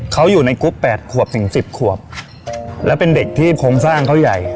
เขาอยู่ในกลุ่ม๘๑๐ขวบและเป็นเด็กที่โครงสร้างเขาใหญ่